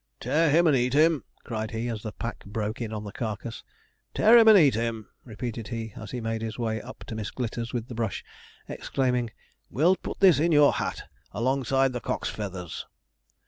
'Tear him and eat him!' cried he, as the pack broke in on the carcass. 'Tear him and eat him!' repeated he, as he made his way up to Miss Glitters with the brush, exclaiming, 'We'll put this in your hat, alongside the cock's feathers.'